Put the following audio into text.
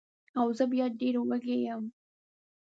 او زه بیا ډېره وږې یم